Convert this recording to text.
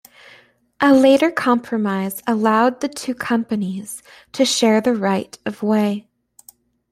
A later compromise allowed the two companies to share the right of way.